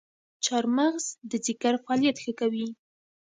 چارمغز د ځیګر فعالیت ښه کوي.